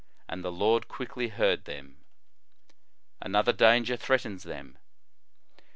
And the Lord quickly heard them."* Another danger threatens them.